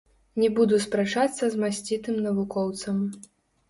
Не буду спрачацца з масцітым навукоўцам.